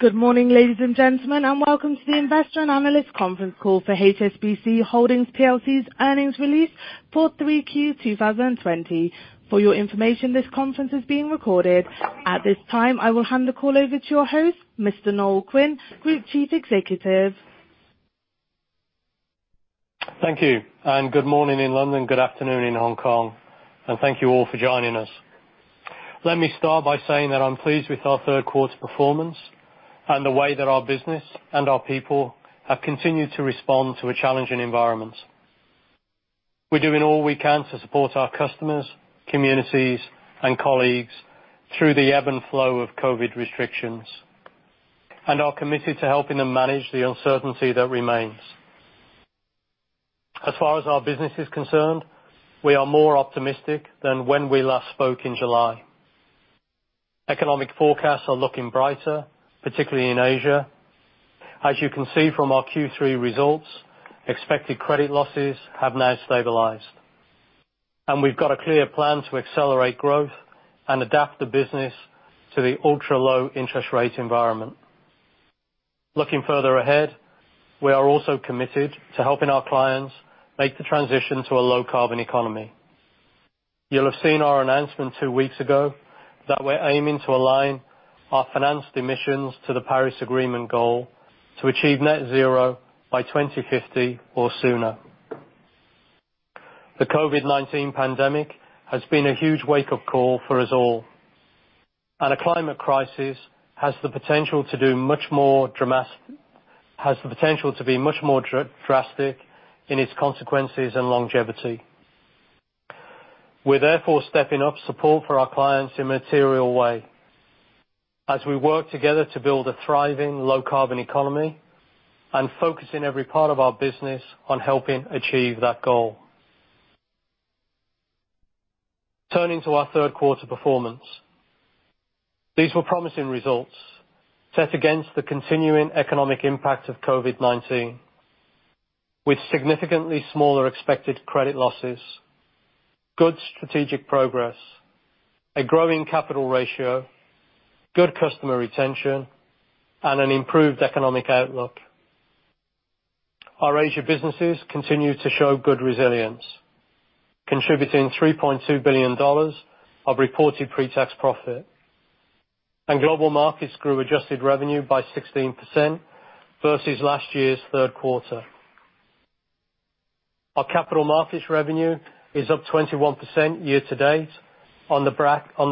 Good morning, ladies and gentlemen, and welcome to the investor and analyst conference call for HSBC Holdings PLC's earnings release for 3Q 2020. For your information, this conference is being recorded. At this time, I will hand the call over to your host, Mr. Noel Quinn, Group Chief Executive. Thank you. Good morning in London, good afternoon in Hong Kong, and thank you all for joining us. Let me start by saying that I'm pleased with our third quarter performance and the way that our business and our people have continued to respond to a challenging environment. We're doing all we can to support our customers, communities, and colleagues through the ebb and flow of COVID restrictions, and are committed to helping them manage the uncertainty that remains. As far as our business is concerned, we are more optimistic than when we last spoke in July. Economic forecasts are looking brighter, particularly in Asia. As you can see from our Q3 results, expected credit losses have now stabilized, and we've got a clear plan to accelerate growth and adapt the business to the ultra-low interest rate environment. Looking further ahead, we are also committed to helping our clients make the transition to a low-carbon economy. You'll have seen our announcement two weeks ago that we're aiming to align our financed emissions to the Paris Agreement goal to achieve net zero by 2050 or sooner. The COVID-19 pandemic has been a huge wake-up call for us all, and a climate crisis has the potential to be much more drastic in its consequences and longevity. We're therefore stepping up support for our clients in a material way as we work together to build a thriving low-carbon economy and focus on every part of our business on helping achieve that goal. Turning to our third quarter performance. These were promising results set against the continuing economic impact of COVID-19, with significantly smaller expected credit losses, good strategic progress, a growing capital ratio, good customer retention, and an improved economic outlook. Our Asia businesses continue to show good resilience, contributing $3.2 billion of reported pre-tax profit. Global Markets grew adjusted revenue by 16% versus last year's third quarter. Our capital markets revenue is up 21% year-to-date on the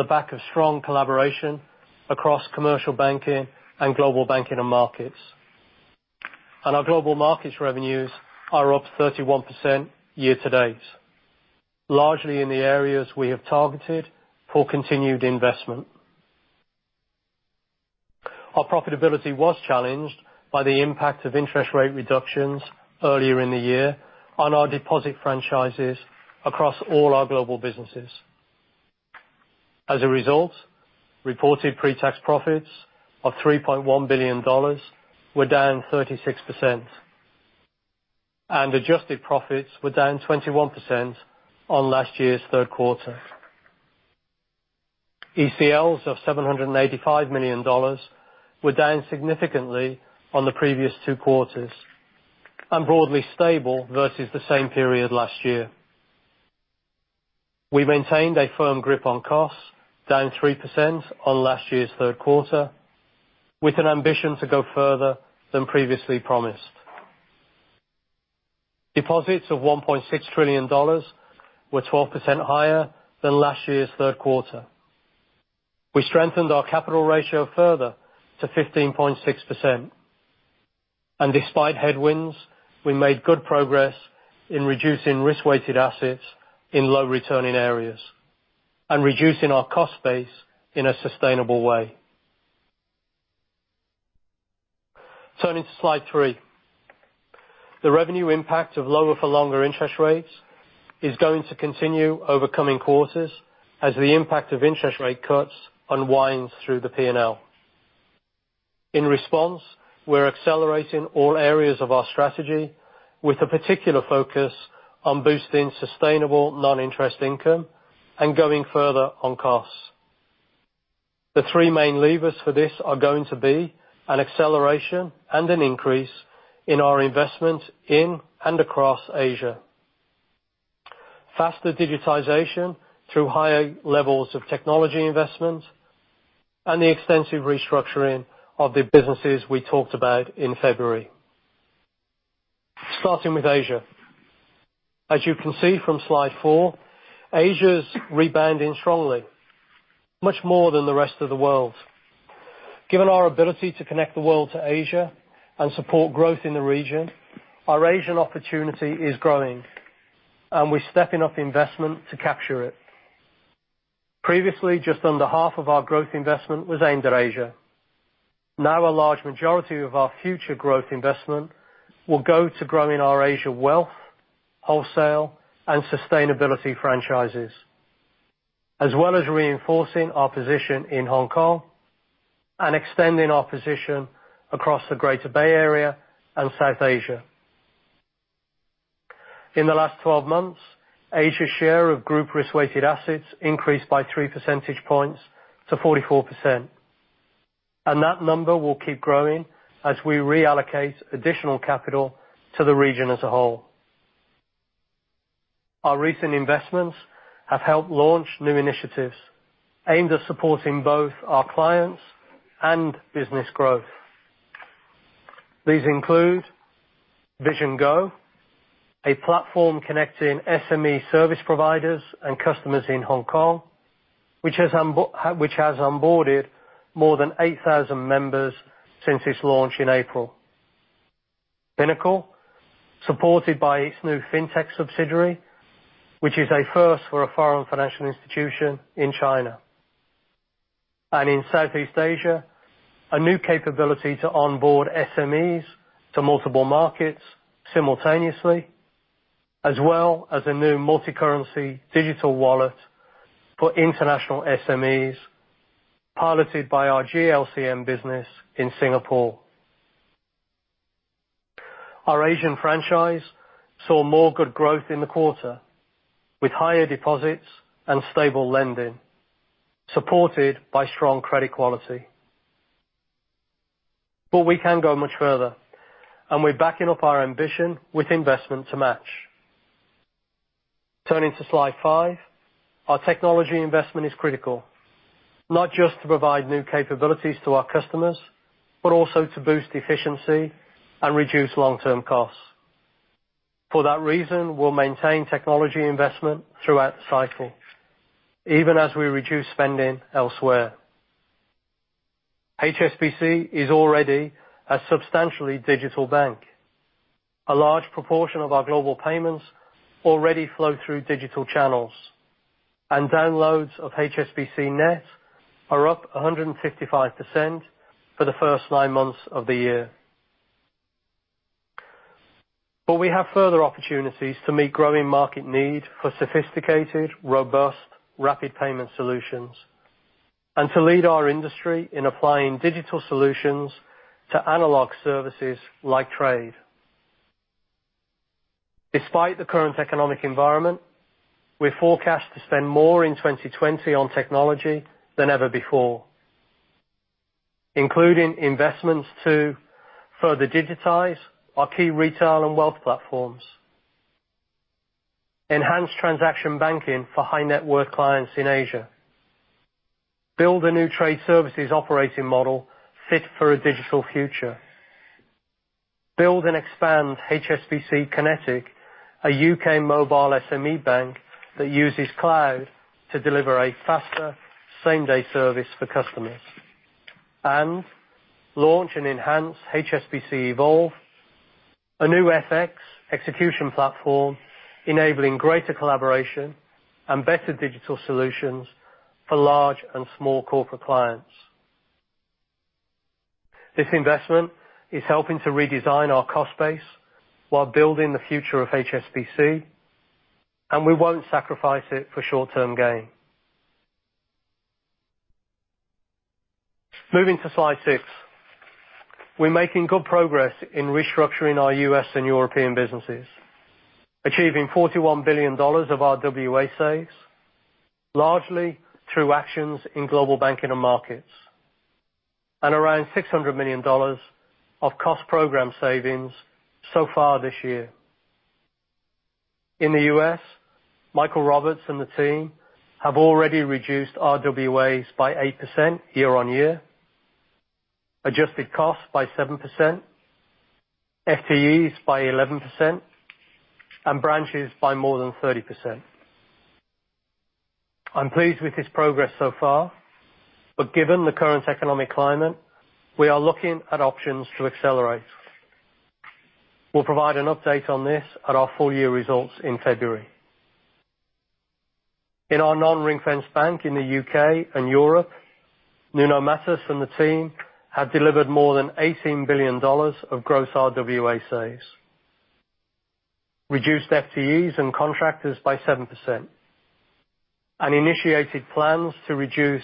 back of strong collaboration across commercial banking and global banking and markets. Our Global Markets revenues are up 31% year-to-date, largely in the areas we have targeted for continued investment. Our profitability was challenged by the impact of interest rate reductions earlier in the year on our deposit franchises across all our global businesses. As a result, reported pre-tax profits of $3.1 billion were down 36%, and adjusted profits were down 21% on last year's third quarter. ECLs of $785 million were down significantly on the previous two quarters, and broadly stable versus the same period last year. We maintained a firm grip on costs, down 3% on last year's third quarter, with an ambition to go further than previously promised. Deposits of $1.6 trillion were 12% higher than last year's third quarter. We strengthened our capital ratio further to 15.6%. Despite headwinds, we made good progress in reducing risk-weighted assets in low-returning areas and reducing our cost base in a sustainable way. Turning to slide three. The revenue impact of lower-for-longer interest rates is going to continue over coming quarters as the impact of interest rate cuts unwinds through the P&L. In response, we're accelerating all areas of our strategy with a particular focus on boosting sustainable non-interest income and going further on costs. The three main levers for this are going to be an acceleration and an increase in our investment in and across Asia, faster digitization through higher levels of technology investment, and the extensive restructuring of the businesses we talked about in February. Starting with Asia. As you can see from slide four, Asia's rebounding strongly, much more than the rest of the world. Given our ability to connect the world to Asia and support growth in the region, our Asian opportunity is growing, and we're stepping up investment to capture it. Previously, just under half of our growth investment was aimed at Asia. Now, a large majority of our future growth investment will go to growing our Asia wealth, wholesale, and sustainability franchises, as well as reinforcing our position in Hong Kong and extending our position across the Greater Bay Area and South Asia. In the last 12 months, Asia's share of group risk-weighted assets increased by 3 percentage points to 44%. That number will keep growing as we reallocate additional capital to the region as a whole. Our recent investments have helped launch new initiatives aimed at supporting both our clients and business growth. These include VisionGo, a platform connecting SME service providers and customers in Hong Kong, which has onboarded more than 8,000 members since its launch in April. Pinnacle, supported by its new FinTech subsidiary, which is a first for a foreign financial institution in China. In Southeast Asia, a new capability to onboard SMEs to multiple markets simultaneously, as well as a new multicurrency digital wallet for international SMEs, piloted by our GLCM business in Singapore. Our Asian franchise saw more good growth in the quarter, with higher deposits and stable lending, supported by strong credit quality. We can go much further, and we're backing up our ambition with investment to match. Turning to slide five, our technology investment is critical, not just to provide new capabilities to our customers, but also to boost efficiency and reduce long-term costs. For that reason, we'll maintain technology investment throughout the cycle, even as we reduce spending elsewhere. HSBC is already a substantially digital bank. A large proportion of our global payments already flow through digital channels. Downloads of HSBCnet are up 155% for the first nine months of the year. We have further opportunities to meet growing market need for sophisticated, robust, rapid payment solutions, and to lead our industry in applying digital solutions to analog services like trade. Despite the current economic environment, we forecast to spend more in 2020 on technology than ever before, including investments to further digitize our key retail and wealth platforms, enhance transaction banking for high-net-worth clients in Asia, build a new trade services operating model fit for a digital future, build and expand HSBC Kinetic, a U.K. mobile SME bank that uses cloud to deliver a faster same-day service for customers, and launch and enhance HSBC Evolve, a new FX execution platform enabling greater collaboration and better digital solutions for large and small corporate clients. This investment is helping to redesign our cost base while building the future of HSBC, and we won't sacrifice it for short-term gain. Moving to slide six, we're making good progress in restructuring our U.S. and European businesses, achieving $41 billion of RWA saves, largely through actions in Global Banking and Markets, and around $600 million of cost program savings so far this year. In the U.S., Michael Roberts and the team have already reduced RWAs by 8% year-on-year, adjusted cost by 7%, FTEs by 11%, and branches by more than 30%. I'm pleased with this progress so far, but given the current economic climate, we are looking at options to accelerate. We'll provide an update on this at our full-year results in February. In our non-ring-fenced bank in the U.K. and Europe, Nuno Matos and the team have delivered more than $18 billion of gross RWA saves, reduced FTEs and contractors by 7%, and initiated plans to reduce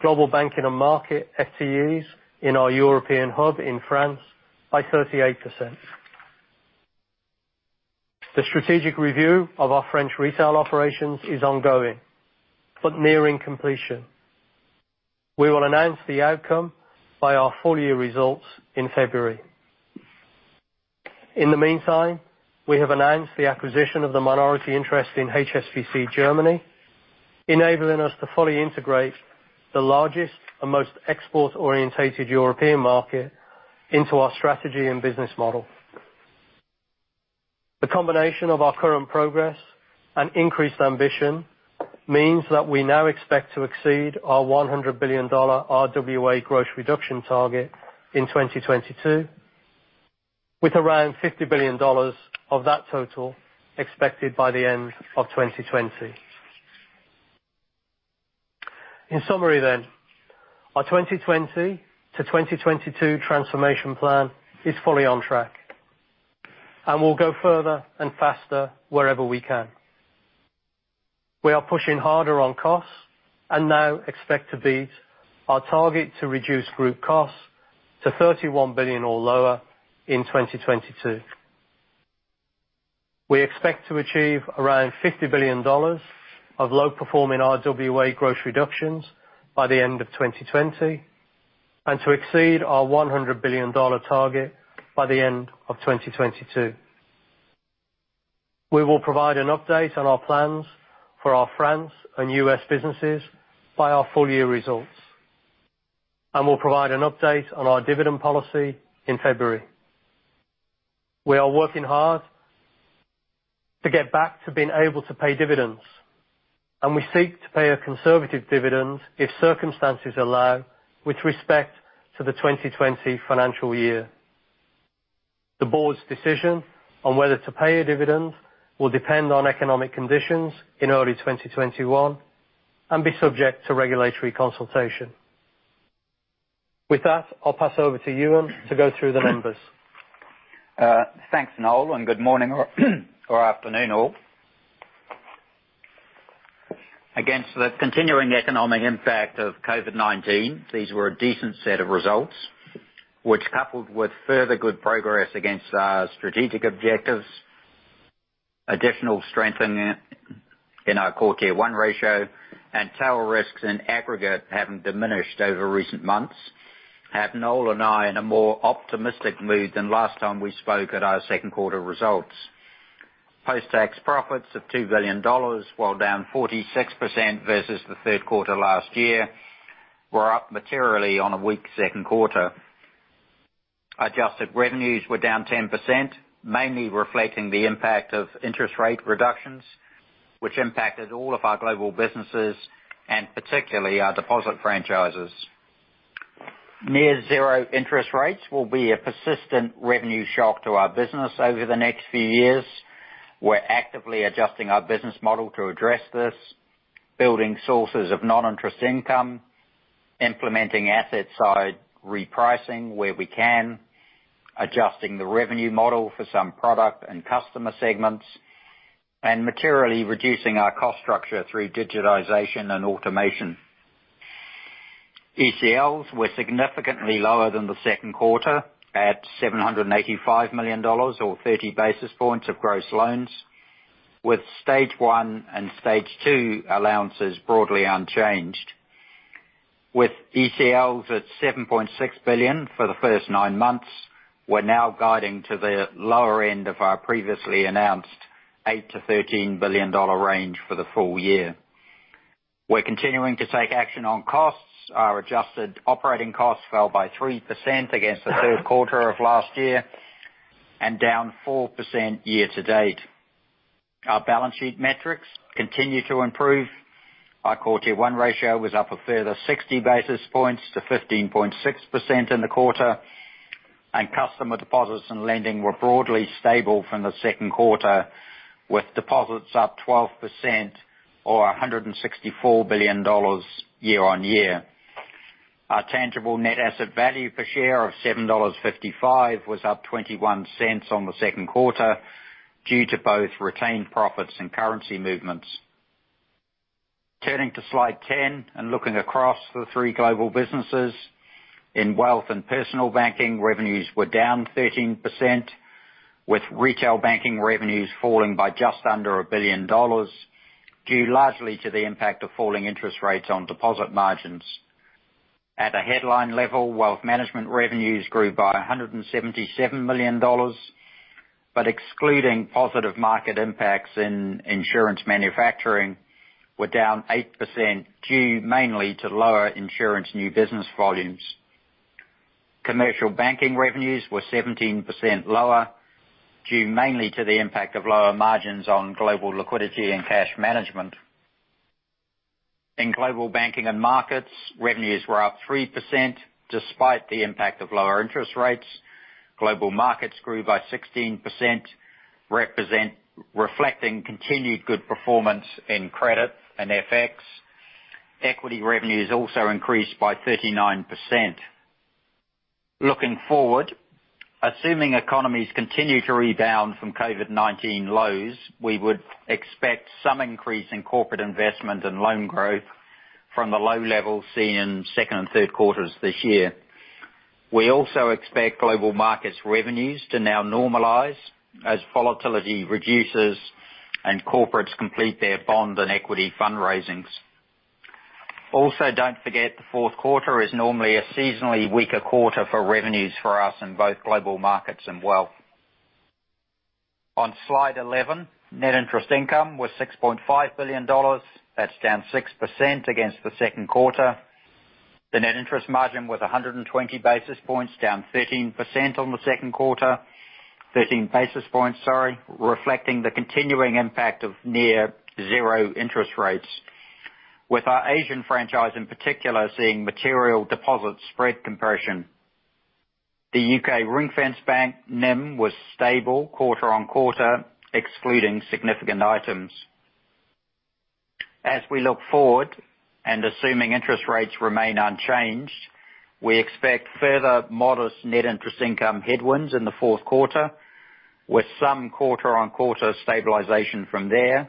Global Banking and Markets FTEs in our European hub in France by 38%. The strategic review of our French retail operations is ongoing, but nearing completion. We will announce the outcome by our full-year results in February. In the meantime, we have announced the acquisition of the minority interest in HSBC Germany, enabling us to fully integrate the largest and most export-orientated European market into our strategy and business model. The combination of our current progress and increased ambition means that we now expect to exceed our $100 billion RWA gross reduction target in 2022, with around $50 billion of that total expected by the end of 2020. In summary, our 2020 to 2022 transformation plan is fully on track, and we'll go further and faster wherever we can. We are pushing harder on costs and now expect to beat our target to reduce group costs to $31 billion or lower in 2022. We expect to achieve around $50 billion of low-performing RWA gross reductions by the end of 2020, and to exceed our $100 billion target by the end of 2022. We will provide an update on our plans for our France and U.S. businesses by our full year results, and we'll provide an update on our dividend policy in February. We are working hard to get back to being able to pay dividends, and we seek to pay a conservative dividend if circumstances allow, with respect to the 2020 financial year. The board's decision on whether to pay a dividend will depend on economic conditions in early 2021 and be subject to regulatory consultation. With that, I'll pass over to Ewen to go through the numbers. Thanks, Noel. Good morning or afternoon all. Against the continuing economic impact of COVID-19, these were a decent set of results, which coupled with further good progress against our strategic objectives, additional strengthening in our Core Tier 1 ratio, and tail risks in aggregate having diminished over recent months, have Noel and I in a more optimistic mood than last time we spoke at our second quarter results. Post-tax profits of $2 billion, while down 46% versus the third quarter last year, were up materially on a weak second quarter. Adjusted revenues were down 10%, mainly reflecting the impact of interest rate reductions, which impacted all of our global businesses and particularly our deposit franchises. Near zero interest rates will be a persistent revenue shock to our business over the next few years. We're actively adjusting our business model to address this, building sources of non-interest income, implementing asset side repricing where we can, adjusting the revenue model for some product and customer segments, and materially reducing our cost structure through digitization and automation. ECLs were significantly lower than the second quarter at $785 million or 30 basis points of gross loans, with Stage 1 and Stage 2 allowances broadly unchanged. With ECLs at $7.6 billion for the first nine months, we're now guiding to the lower end of our previously announced $8 billion-$13 billion range for the full year. We're continuing to take action on costs. Our adjusted operating costs fell by 3% against the third quarter of last year, and down 4% year-to-date. Our balance sheet metrics continue to improve. Our Core Tier 1 ratio was up a further 60 basis points to 15.6% in the quarter, and customer deposits and lending were broadly stable from the second quarter, with deposits up 12% or $164 billion year-on-year. Our tangible net asset value per share of $7.55 was up $0.21 on the second quarter due to both retained profits and currency movements. Turning to slide 10 and looking across the three global businesses, in wealth and personal banking, revenues were down 13%, with retail banking revenues falling by just under $1 billion, due largely to the impact of falling interest rates on deposit margins. At a headline level, wealth management revenues grew by $177 million, but excluding positive market impacts in insurance manufacturing, were down 8% due mainly to lower insurance new business volumes. Commercial banking revenues were 17% lower, due mainly to the impact of lower margins on Global Liquidity and Cash Management. In Global Banking and Markets, revenues were up 3% despite the impact of lower interest rates. Global Markets grew by 16%, reflecting continued good performance in credit and FX. Equity revenues also increased by 39%. Looking forward, assuming economies continue to rebound from COVID-19 lows, we would expect some increase in corporate investment and loan growth from the low levels seen in second and third quarters this year. We also expect Global Markets revenues to now normalize as volatility reduces and corporates complete their bond and equity fundraisings. Also, don't forget, the fourth quarter is normally a seasonally weaker quarter for revenues for us in both Global Markets and Wealth. On slide 11, Net Interest Income was $6.5 billion. That's down 6% against the second quarter. The net interest margin was 120 basis points, down 13% on the second quarter, 13 basis points, sorry, reflecting the continuing impact of near zero interest rates with our Asian franchise in particular seeing material deposit spread compression. The U.K. ring-fenced bank NIM was stable quarter-on-quarter, excluding significant items. As we look forward and assuming interest rates remain unchanged, we expect further modest net interest income headwinds in the fourth quarter. With some quarter-on-quarter stabilization from there,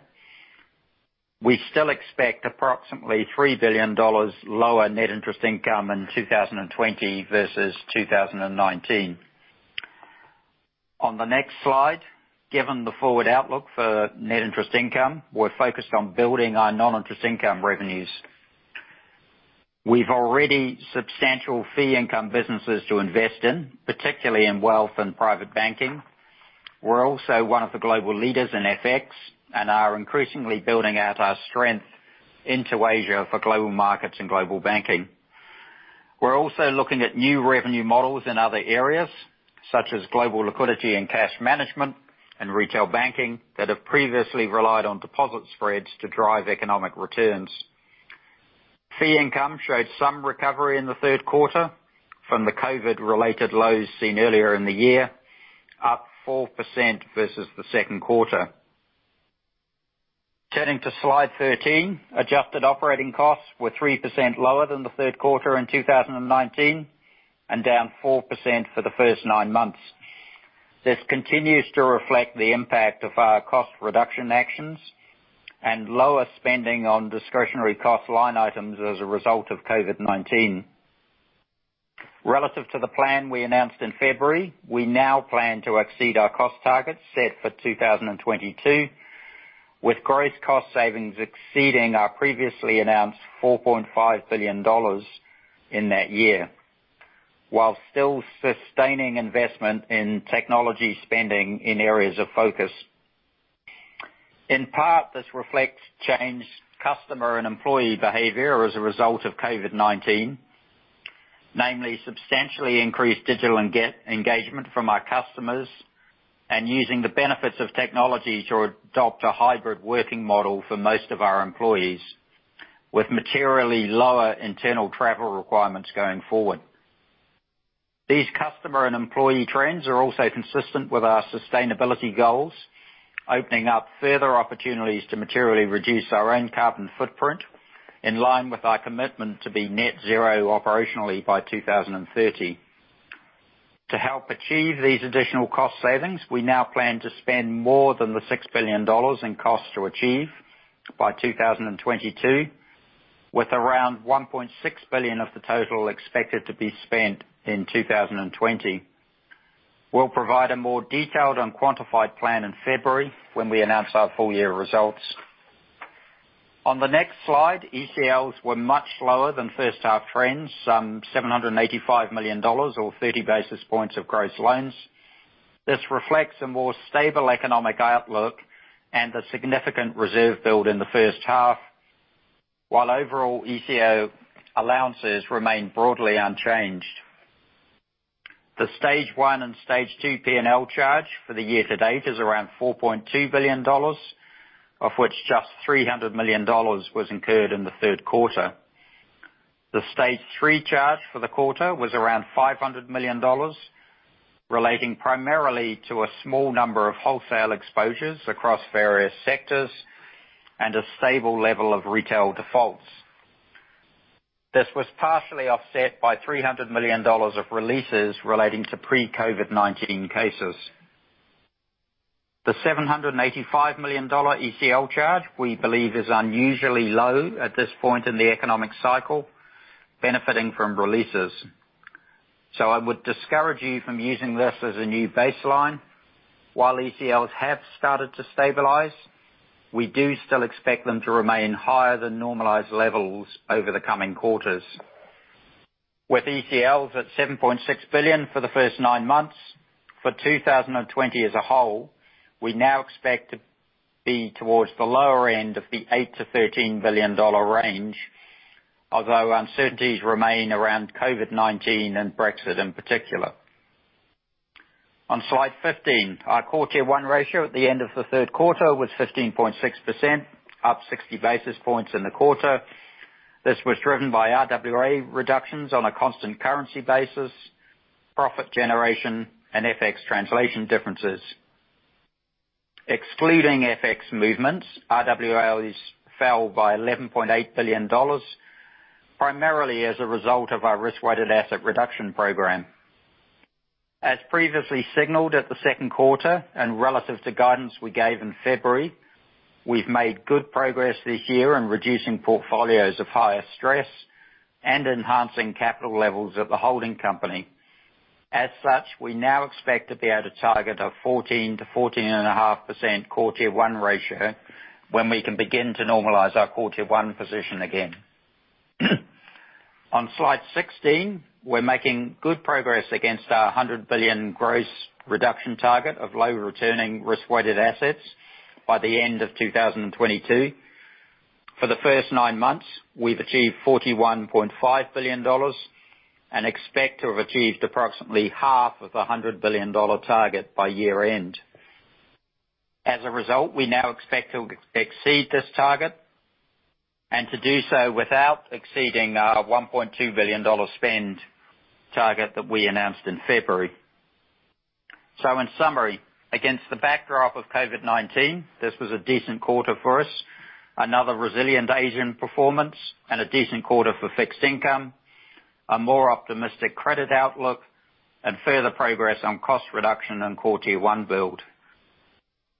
we still expect approximately $3 billion lower net interest income in 2020 versus 2019. On the next slide, given the forward outlook for net interest income, we're focused on building our non-interest income revenues. We've already substantial fee income businesses to invest in, particularly in wealth and private banking. We're also one of the global leaders in FX and are increasingly building out our strength into Asia for global markets and global banking. We're also looking at new revenue models in other areas such as global liquidity and cash management, and retail banking that have previously relied on deposit spreads to drive economic returns. Fee income showed some recovery in the third quarter from the COVID-related lows seen earlier in the year, up 4% versus the second quarter. Turning to slide 13, adjusted operating costs were 3% lower than the third quarter in 2019, and down 4% for the first nine months. This continues to reflect the impact of our cost reduction actions and lower spending on discretionary cost line items as a result of COVID-19. Relative to the plan we announced in February, we now plan to exceed our cost targets set for 2022, with gross cost savings exceeding our previously announced $4.5 billion in that year, while still sustaining investment in technology spending in areas of focus. In part, this reflects changed customer and employee behavior as a result of COVID-19, namely substantially increased digital engagement from our customers and using the benefits of technology to adopt a hybrid working model for most of our employees with materially lower internal travel requirements going forward. These customer and employee trends are also consistent with our sustainability goals, opening up further opportunities to materially reduce our own carbon footprint, in line with our commitment to be net zero operationally by 2030. To help achieve these additional cost savings, we now plan to spend more than the $6 billion in cost to achieve by 2022, with around $1.6 billion of the total expected to be spent in 2020. We'll provide a more detailed and quantified plan in February when we announce our full-year results. On the next slide, ECLs were much lower than first half trends, some $785 million, or 30 basis points of gross loans. This reflects a more stable economic outlook and a significant reserve build in the first half, while overall ECL allowances remain broadly unchanged. The Stage 1 and Stage 2 P&L charge for the year-to-date is around $4.2 billion, of which just $300 million was incurred in the third quarter. The Stage 3 charge for the quarter was around $500 million, relating primarily to a small number of wholesale exposures across various sectors and a stable level of retail defaults. This was partially offset by $300 million of releases relating to pre-COVID-19 cases. The $785 million ECL charge, we believe, is unusually low at this point in the economic cycle, benefiting from releases. I would discourage you from using this as a new baseline. While ECLs have started to stabilize, we do still expect them to remain higher than normalized levels over the coming quarters. With ECLs at $7.6 billion for the first nine months, for 2020 as a whole, we now expect to be towards the lower end of the $8 billion-$13 billion range, although uncertainties remain around COVID-19 and Brexit in particular. On slide 15, our Core Tier 1 ratio at the end of the third quarter was 15.6%, up 60 basis points in the quarter. This was driven by RWA reductions on a constant currency basis, profit generation, and FX translation differences. Excluding FX movements, RWAs fell by $11.8 billion, primarily as a result of our risk-weighted asset reduction program. As previously signaled at the second quarter and relative to guidance we gave in February, we've made good progress this year in reducing portfolios of higher stress and enhancing capital levels at the holding company. As such, we now expect to be at a target of 14%-14.5% Core Tier 1 ratio when we can begin to normalize our Core Tier 1 position again. On slide 16, we're making good progress against our $100 billion gross reduction target of low-returning risk-weighted assets by the end of 2022. For the first nine months, we've achieved $41.5 billion and expect to have achieved approximately half of the $100 billion target by year-end. As a result, we now expect to exceed this target and to do so without exceeding our $1.2 billion spend target that we announced in February. In summary, against the backdrop of COVID-19, this was a decent quarter for us. Another resilient Asian performance and a decent quarter for fixed income, a more optimistic credit outlook, and further progress on cost reduction and Core Tier 1 build.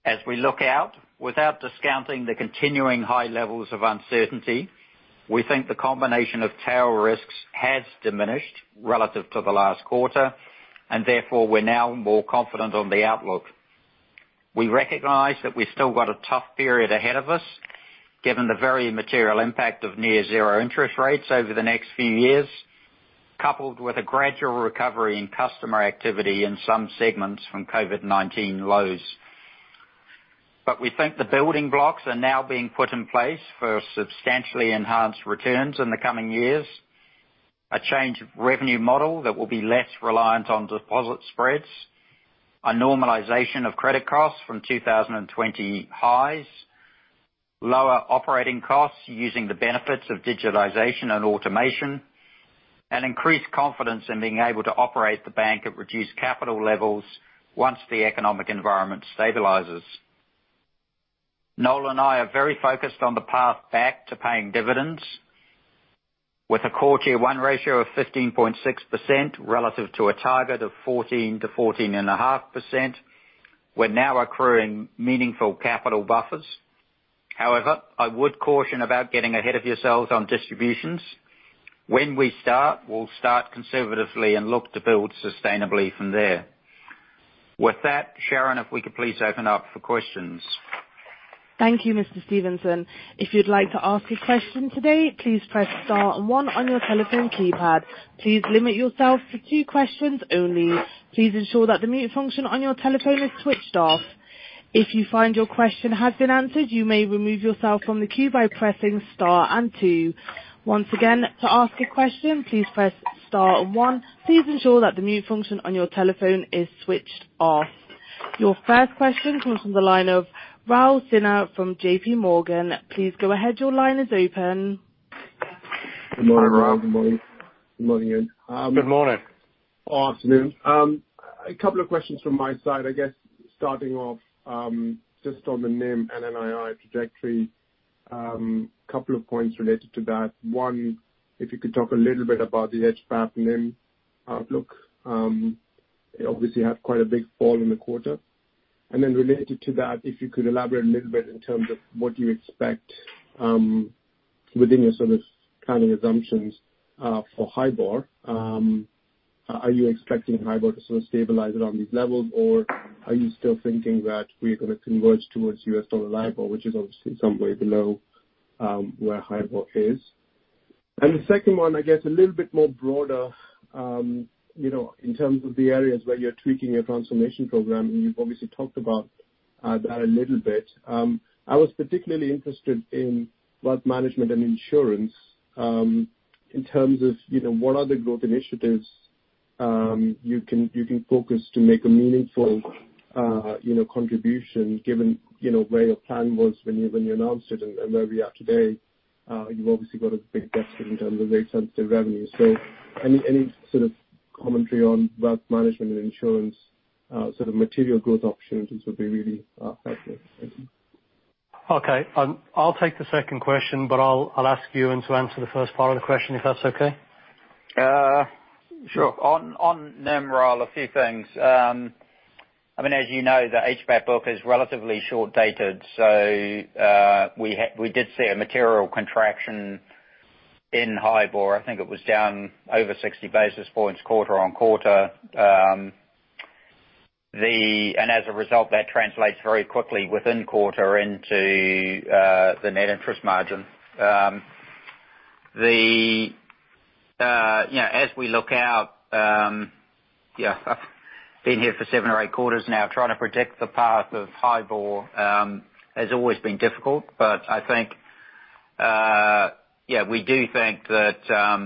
As we look out, without discounting the continuing high levels of uncertainty, we think the combination of tail risks has diminished relative to the last quarter, and therefore, we're now more confident on the outlook. We recognize that we've still got a tough period ahead of us given the very material impact of near zero interest rates over the next few years, coupled with a gradual recovery in customer activity in some segments from COVID-19 lows. We think the building blocks are now being put in place for substantially enhanced returns in the coming years. A change of revenue model that will be less reliant on deposit spreads, a normalization of credit costs from 2020 highs, lower operating costs using the benefits of digitalization and automation, and increased confidence in being able to operate the bank at reduced capital levels once the economic environment stabilizes. Noel and I are very focused on the path back to paying dividends. With a Core Tier 1 ratio of 15.6% relative to a target of 14%-14.5%, we're now accruing meaningful capital buffers. However, I would caution about getting ahead of yourselves on distributions. When we start, we'll start conservatively and look to build sustainably from there. With that, Sharon, if we could please open up for questions. Thank you, Mr Stevenson. Your first question comes from the line of Raul Sinha from JPMorgan. Please go ahead. Good morning, Raul. Good morning. Good morning. Good morning. Or afternoon. A couple of questions from my side. I guess, starting off, just on the NIM and NII trajectory. A couple of points related to that. One, if you could talk a little bit about the HBAP NIM outlook. You obviously had quite a big fall in the quarter. Then related to that, if you could elaborate a little bit in terms of what you expect within your planning assumptions, for HIBOR. Are you expecting HIBOR to sort of stabilize around these levels? Are you still thinking that we're going to converge towards USD LIBOR, which is obviously somewhere below, where HIBOR is? The second one, I guess, a little bit more broader, in terms of the areas where you're tweaking your transformation program, and you've obviously talked about that a little bit. I was particularly interested in wealth management and insurance, in terms of what other growth initiatives you can focus to make a meaningful contribution given where your plan was when you announced it and where we are today. You've obviously got a big deficit in terms of rate-sensitive revenue. Any sort of commentary on wealth management and insurance, material growth opportunities would be really helpful. Thank you. Okay. I'll take the second question, but I'll ask Ewen to answer the first part of the question, if that's okay. Sure. On NIM, Raul, a few things. As you know, the HBAP book is relatively short-dated. We did see a material contraction in HIBOR. I think it was down over 60 basis points quarter-on-quarter. As a result, that translates very quickly within quarter into the net interest margin. As we look out, I've been here for seven or eight quarters now. Trying to predict the path of HIBOR has always been difficult. We do think that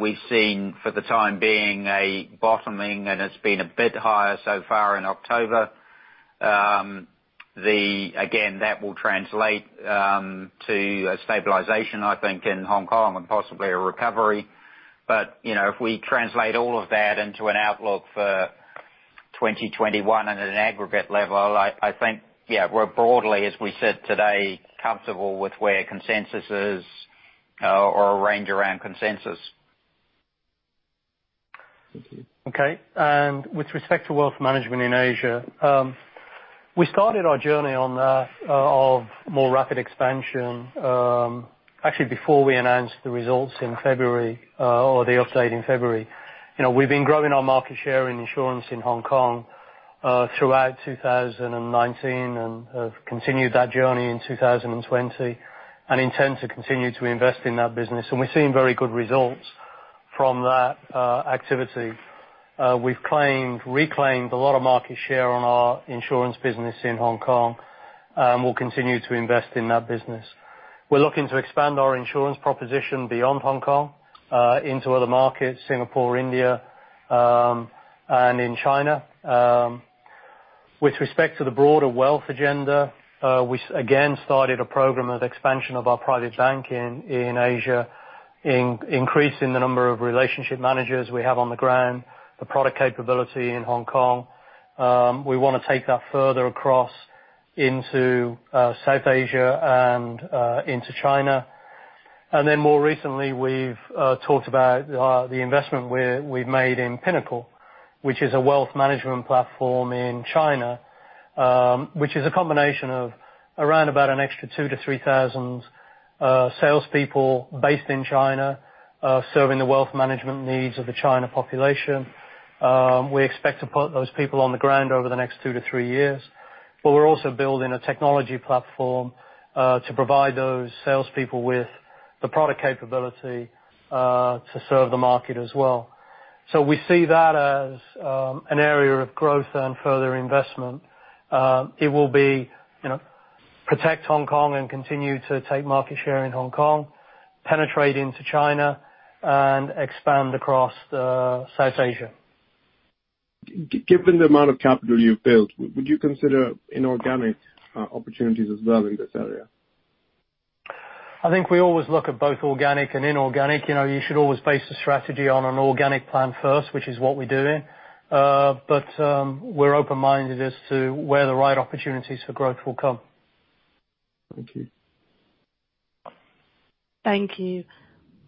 we've seen, for the time being, a bottoming, and it's been a bit higher so far in October. Again, that will translate to a stabilization, I think, in Hong Kong and possibly a recovery. If we translate all of that into an outlook for 2021 at an aggregate level, I think we're broadly, as we said today, comfortable with where consensus is or a range around consensus. Thank you. Okay. With respect to wealth management in Asia, we started our journey on that of more rapid expansion, actually before we announced the results in February, or the update in February. We've been growing our market share in insurance in Hong Kong throughout 2019 and have continued that journey in 2020 and intend to continue to invest in that business. We've seen very good results from that activity. We've reclaimed a lot of market share on our insurance business in Hong Kong, and we'll continue to invest in that business. We're looking to expand our insurance proposition beyond Hong Kong into other markets, Singapore, India, and in China. With respect to the broader wealth agenda, we again started a program of expansion of our private banking in Asia, increasing the number of relationship managers we have on the ground, the product capability in Hong Kong We want to take that further across into South Asia and into China. More recently, we've talked about the investment we've made in Pinnacle, which is a wealth management platform in China, which is a combination of around about an extra 2,000-3,000 salespeople based in China, serving the wealth management needs of the China population. We expect to put those people on the ground over the next two to three years, but we're also building a technology platform to provide those salespeople with the product capability to serve the market as well. We see that as an area of growth and further investment. It will be protect Hong Kong and continue to take market share in Hong Kong, penetrate into China, and expand across South Asia. Given the amount of capital you've built, would you consider inorganic opportunities as well in this area? I think we always look at both organic and inorganic. You should always base a strategy on an organic plan first, which is what we're doing. We're open-minded as to where the right opportunities for growth will come. Thank you. Thank you.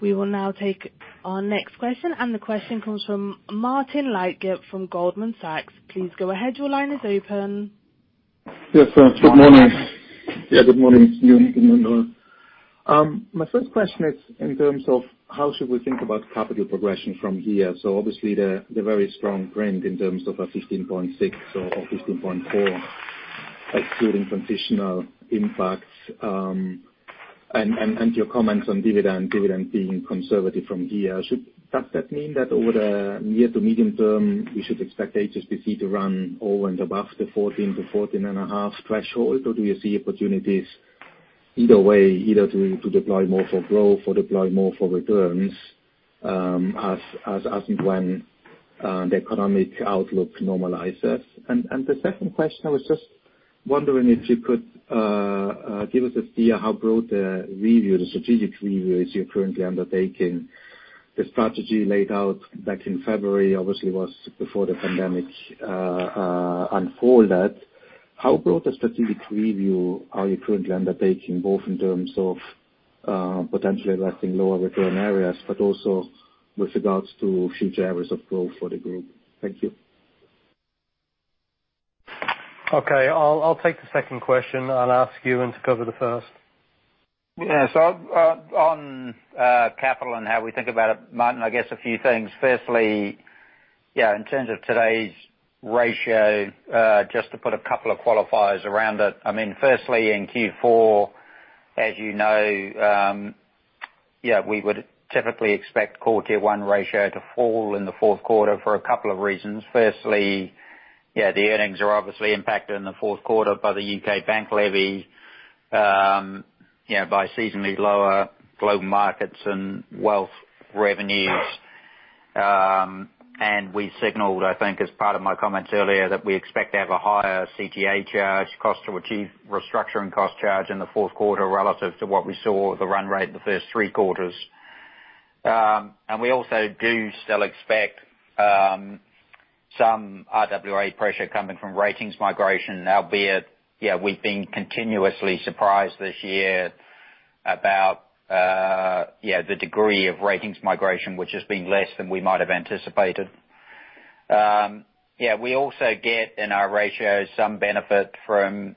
We will now take our next question. The question comes from Martin Leitgeb from Goldman Sachs. Please go ahead. Your line is open. Yes. Good morning. Yeah, good morning. Mr. Noel. My first question is in terms of how should we think about capital progression from here. Obviously, the very strong print in terms of a 15.6% or a 15.4% excluding transitional impacts. Your comments on dividend being conservative from here. Does that mean that over the near to medium term, we should expect HSBC to run over and above the 14%-14.5% threshold? Do you see opportunities either way, either to deploy more for growth or deploy more for returns as and when the economic outlook normalizes? The second question, I was just wondering if you could give us a view how broad the strategic review is you're currently undertaking. The strategy laid out back in February obviously was before the pandemic unfolded. How broad a strategic review are you currently undertaking, both in terms of potentially letting lower return areas, but also with regards to future areas of growth for the group? Thank you. Okay. I'll take the second question and ask Ewen to cover the first. Yeah. On capital and how we think about it, Martin, I guess a few things. Firstly, in terms of today's ratio, just to put a couple of qualifiers around it. Firstly, in Q4, as you know, we would typically expect Core Tier 1 ratio to fall in the fourth quarter for a couple of reasons. Firstly, the earnings are obviously impacted in the fourth quarter by the U.K. bank levy, by seasonally lower Global Markets and wealth revenues. We signaled, I think as part of my comments earlier, that we expect to have a higher CTA charge, cost to achieve restructuring cost charge in the fourth quarter relative to what we saw the run rate in the first three quarters. We also do still expect some RWA pressure coming from ratings migration, albeit, we've been continuously surprised this year about the degree of ratings migration, which has been less than we might have anticipated. We also get in our ratios some benefit from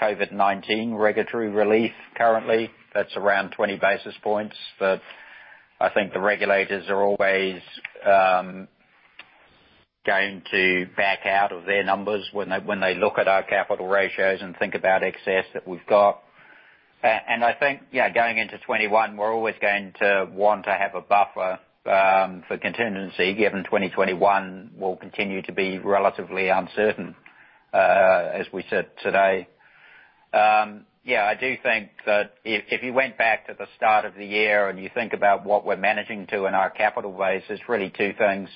COVID-19 regulatory relief currently. That's around 20 basis points. I think the regulators are always going to back out of their numbers when they look at our capital ratios and think about excess that we've got. I think going into 2021, we're always going to want to have a buffer for contingency, given 2021 will continue to be relatively uncertain as we said today. I do think that if you went back to the start of the year and you think about what we're managing to in our capital base, there's really two things.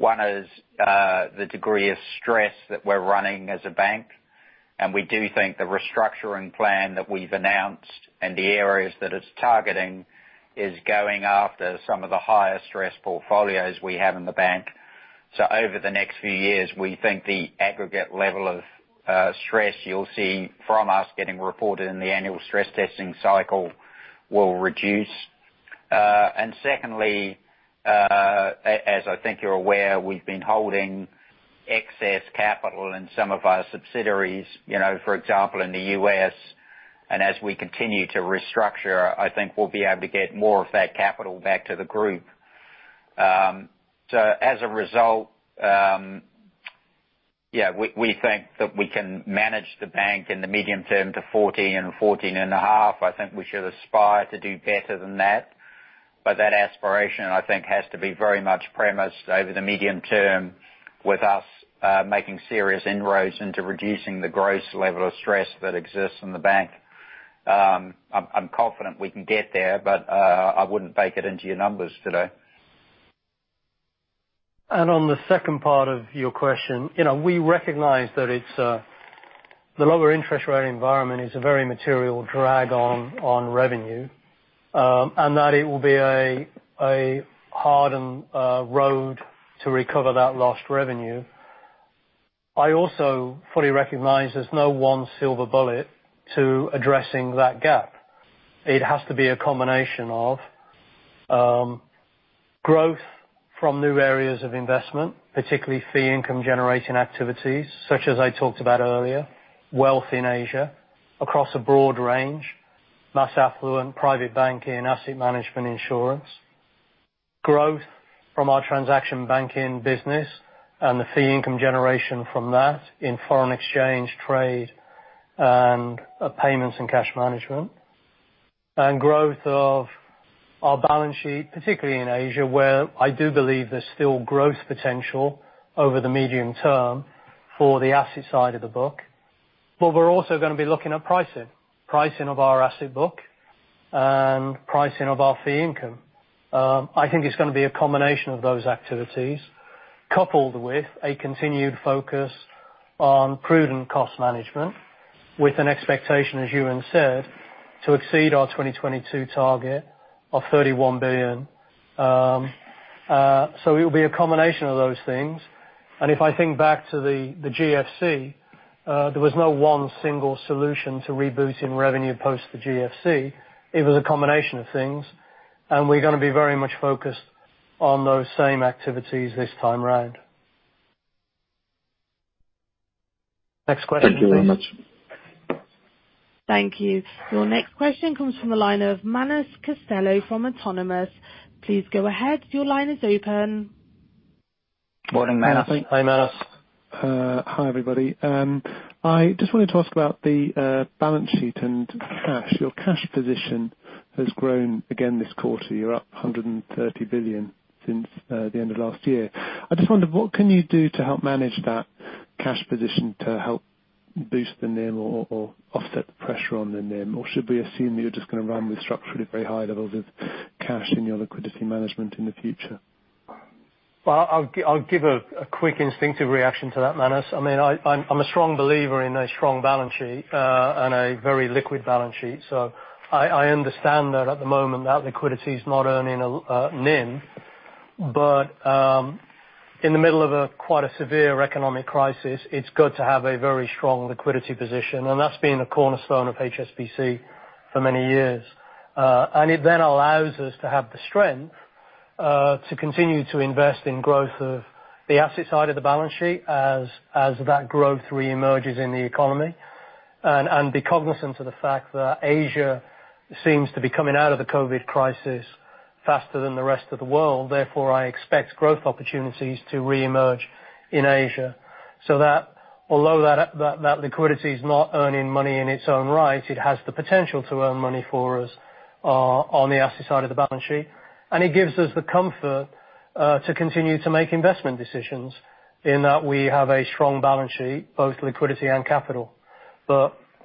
One is the degree of stress that we're running as a bank, and we do think the restructuring plan that we've announced and the areas that it's targeting is going after some of the higher stress portfolios we have in the bank. Over the next few years, we think the aggregate level of stress you'll see from us getting reported in the annual stress testing cycle will reduce. Secondly, as I think you're aware, we've been holding excess capital in some of our subsidiaries. For example, in the U.S., and as we continue to restructure, I think we'll be able to get more of that capital back to the Group. As a result, we think that we can manage the bank in the medium term to 14.5. I think we should aspire to do better than that. That aspiration, I think has to be very much premised over the medium term with us making serious inroads into reducing the gross level of stress that exists in the bank. I'm confident we can get there, but I wouldn't bake it into your numbers today. On the second part of your question, we recognize that The lower interest rate environment is a very material drag on revenue, and that it will be a hardened road to recover that lost revenue. I also fully recognize there's no one silver bullet to addressing that gap. It has to be a combination of growth from new areas of investment, particularly fee income-generating activities, such as I talked about earlier, wealth in Asia across a broad range, mass affluent, private banking, asset management, insurance, growth from our transaction banking business and the fee income generation from that in foreign exchange, trade, and payments and cash management. Growth of our balance sheet, particularly in Asia, where I do believe there's still growth potential over the medium term for the asset side of the book. We're also going to be looking at pricing of our asset book and pricing of our fee income. I think it's going to be a combination of those activities, coupled with a continued focus on prudent cost management with an expectation, as Ewen said, to exceed our 2022 target of 31 billion. It will be a combination of those things. If I think back to the GFC, there was no one single solution to rebooting revenue post the GFC. It was a combination of things, and we're going to be very much focused on those same activities this time around. Next question, please. Thank you very much. Thank you. Your next question comes from the line of Manus Costello from Autonomous. Please go ahead. Your line is open. Morning, Manus. Hi, Manus. Hi, everybody. I just wanted to ask about the balance sheet and cash. Your cash position has grown again this quarter. You're up $130 billion since the end of last year. I just wondered, what can you do to help manage that cash position to help boost the NIM or offset the pressure on the NIM? Should we assume you're just going to run with structurally very high levels of cash in your liquidity management in the future? I'll give a quick instinctive reaction to that, Manus. I'm a strong believer in a strong balance sheet, and a very liquid balance sheet. I understand that at the moment that liquidity is not earning a NIM. In the middle of quite a severe economic crisis, it's good to have a very strong liquidity position, and that's been a cornerstone of HSBC for many years. It then allows us to have the strength to continue to invest in growth of the asset side of the balance sheet as that growth reemerges in the economy. Be cognizant of the fact that Asia seems to be coming out of the COVID-19 crisis faster than the rest of the world. Therefore, I expect growth opportunities to reemerge in Asia. Although that liquidity is not earning money in its own right, it has the potential to earn money for us on the asset side of the balance sheet. It gives us the comfort to continue to make investment decisions in that we have a strong balance sheet, both liquidity and capital.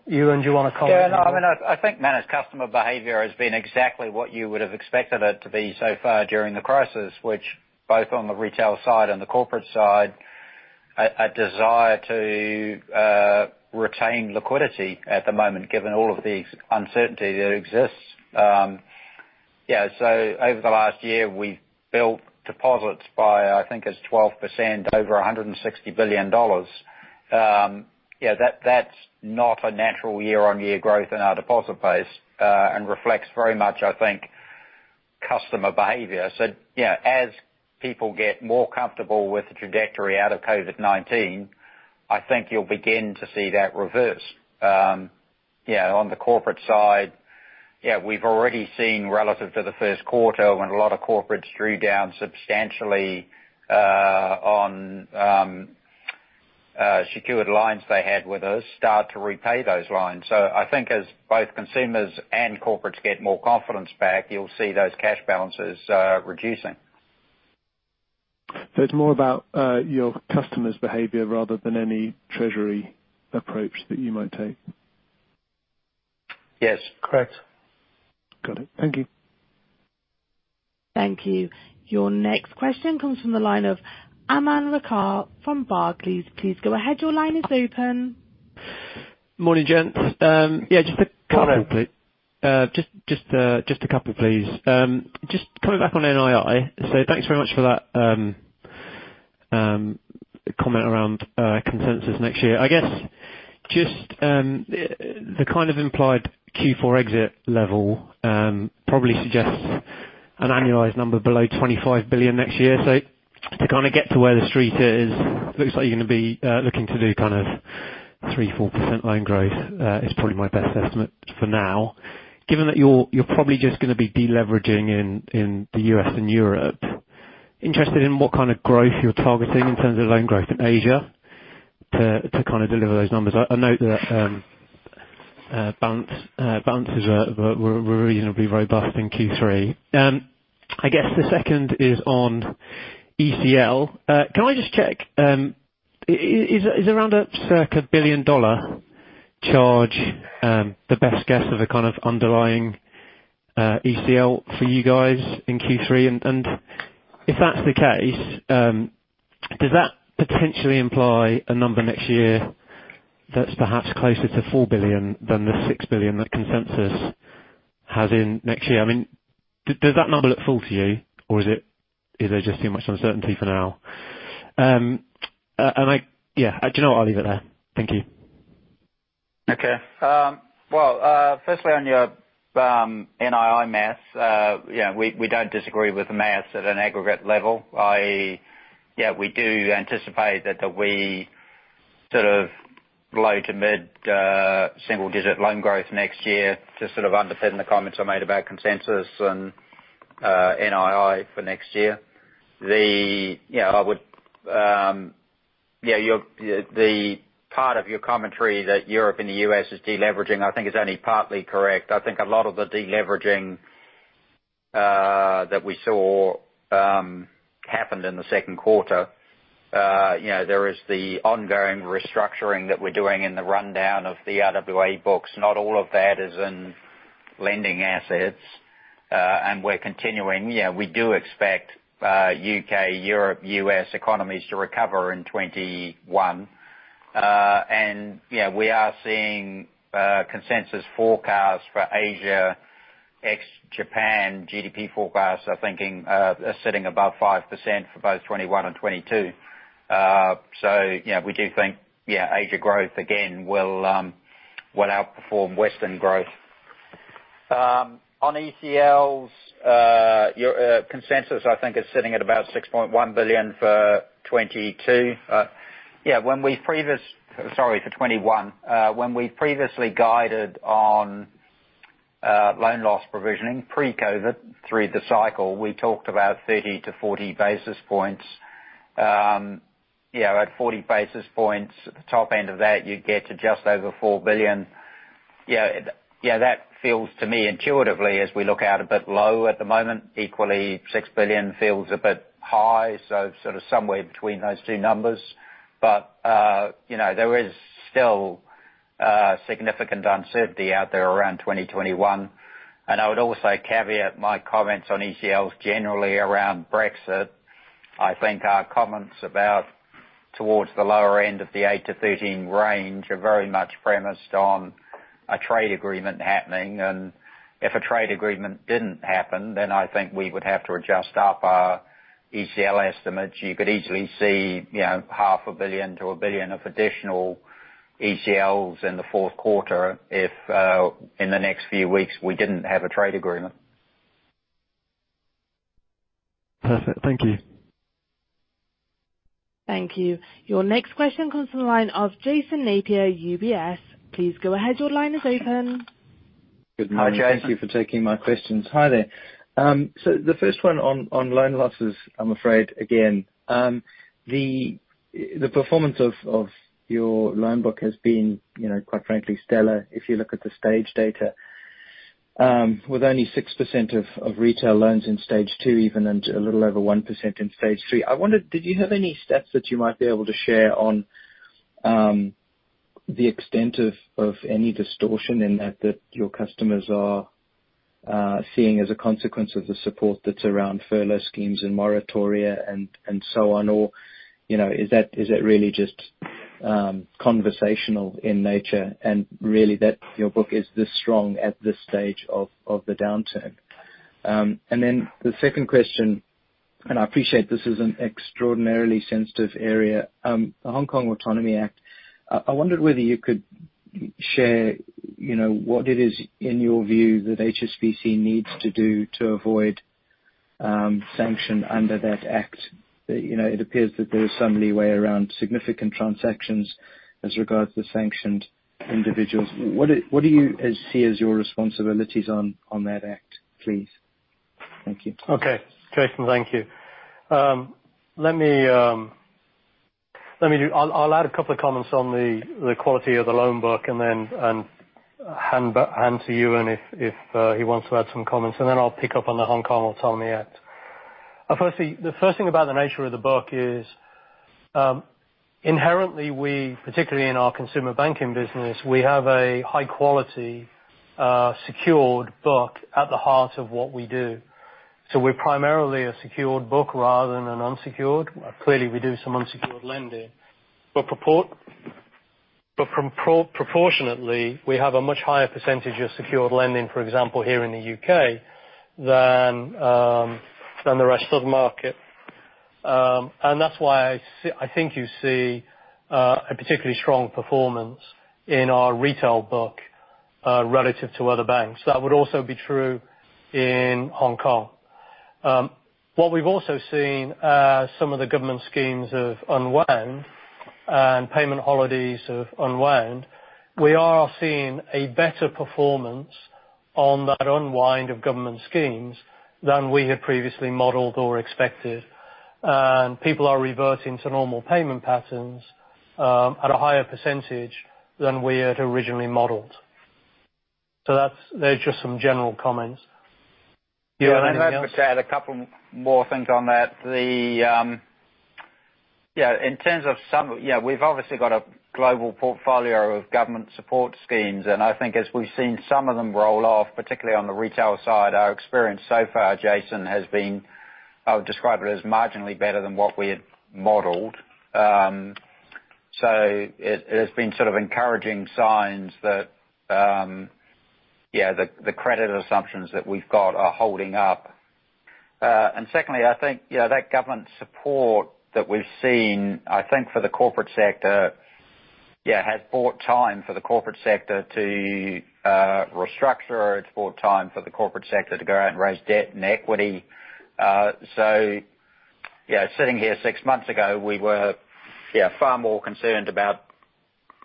Ewen, do you want to comment on that? I think, Manus, customer behavior has been exactly what you would have expected it to be so far during the crisis, which both on the retail side and the corporate side, a desire to retain liquidity at the moment, given all of the uncertainty that exists. Over the last year, we've built deposits by, I think it's 12% over $160 billion. That's not a natural year-on-year growth in our deposit base and reflects very much, I think, customer behavior. As people get more comfortable with the trajectory out of COVID-19, I think you'll begin to see that reverse. On the corporate side, we've already seen relative to the first quarter when a lot of corporates drew down substantially on secured lines they had with us start to repay those lines. I think as both consumers and corporates get more confidence back, you'll see those cash balances reducing. It's more about your customer's behavior rather than any treasury approach that you might take. Yes, correct. Got it. Thank you. Thank you. Your next question comes from the line of Aman Rakkar from Barclays. Please go ahead. Your line is open. Morning, gents. Yeah, just. Morning. Just a couple, please. Just coming back on NII. Thanks very much for that comment around consensus next year. I guess, just the kind of implied Q4 exit level probably suggests an annualized number below $25 billion next year. To kind of get to where the Street is, looks like you're going to be looking to do kind of 3%, 4% loan growth is probably my best estimate for now. Given that you're probably just going to be deleveraging in the U.S. and Europe, interested in what kind of growth you're targeting in terms of loan growth in Asia to kind of deliver those numbers. I know that balances were reasonably robust in Q3. I guess the second is on ECL. Can I just check, is around a circa $1 billion charge the best guess of a kind of underlying ECL for you guys in Q3? If that's the case, does that potentially imply a number next year that's perhaps closer to $4 billion than the $6 billion that consensus has in next year? Does that number look full to you, or is there just too much uncertainty for now? Do you know what? I'll leave it there. Thank you. Well, firstly on your NII maths, we don't disagree with the maths at an aggregate level. We do anticipate that we low to mid-single digit loan growth next year to underpin the comments I made about consensus and NII for next year. The part of your commentary that Europe and the U.S. is de-leveraging, I think is only partly correct. I think a lot of the de-leveraging that we saw happened in the second quarter. There is the ongoing restructuring that we're doing in the rundown of the RWA books. Not all of that is in lending assets. We're continuing. We do expect U.K., Europe, U.S. economies to recover in 2021. We are seeing consensus forecasts for Asia, ex-Japan GDP forecasts are sitting above 5% for both 2021 and 2022. We do think Asia growth again will outperform Western growth. On ECLs, your consensus, I think, is sitting at about $6.1 billion for 2021. When we previously guided on loan loss provisioning pre-COVID through the cycle, we talked about 30 to 40 basis points. At 40 basis points, at the top end of that, you'd get to just over $4 billion. That feels to me intuitively, as we look out a bit low at the moment. Equally, $6 billion feels a bit high. Somewhere between those two numbers. There is still significant uncertainty out there around 2021. I would also caveat my comments on ECLs generally around Brexit. I think our comments about towards the lower end of the $8 billion-$13 billion range are very much premised on a trade agreement happening. If a trade agreement didn't happen, then I think we would have to adjust up our ECL estimates. You could easily see $0.5 billion-$1 billion of additional ECLs in the fourth quarter if in the next few weeks we didn't have a trade agreement. Perfect. Thank you. Thank you. Your next question comes from the line of Jason Napier, UBS. Please go ahead. Your line is open. Good morning. Hi, Jason. Thank you for taking my questions. Hi there. The first one on loan losses, I'm afraid, again. The performance of your loan book has been quite frankly stellar if you look at the stage data. With only 6% of retail loans in Stage 2 even, and a little over 1% in Stage 3. I wondered, did you have any stats that you might be able to share on the extent of any distortion in that your customers are seeing as a consequence of the support that's around furlough schemes and moratoria and so on? Is that really just conversational in nature and really that your book is this strong at this stage of the downturn? The second question, and I appreciate this is an extraordinarily sensitive area. The Hong Kong Autonomy Act. I wondered whether you could share what it is in your view that HSBC needs to do to avoid sanction under that act. It appears that there is some leeway around significant transactions as regards to sanctioned individuals. What do you see as your responsibilities on that act, please? Thank you. Okay. Jason, thank you. I'll add a couple of comments on the quality of the loan book and then hand back to Ewen if he wants to add some comments, and then I'll pick up on the Hong Kong Autonomy Act. The first thing about the nature of the book is inherently we, particularly in our consumer banking business, we have a high quality secured book at the heart of what we do. We're primarily a secured book rather than an unsecured. Clearly, we do some unsecured lending. Proportionately, we have a much higher percentage of secured lending, for example, here in the U.K., than the rest of the market. That's why I think you see a particularly strong performance in our retail book relative to other banks. That would also be true in Hong Kong. What we've also seen as some of the government schemes have unwound and payment holidays have unwound, we are seeing a better performance on that unwind of government schemes than we had previously modeled or expected. People are reverting to normal payment patterns at a higher percentage than we had originally modeled. There's just some general comments. Ewen, anything else? If I could add a couple more things on that. We've obviously got a global portfolio of government support schemes. I think as we've seen some of them roll off, particularly on the retail side, our experience so far, Jason, has been, I would describe it as marginally better than what we had modeled. It has been sort of encouraging signs that the credit assumptions that we've got are holding up. Secondly, I think, that government support that we've seen, I think for the corporate sector, has bought time for the corporate sector to restructure. It's bought time for the corporate sector to go out and raise debt and equity. Sitting here six months ago, we were far more concerned about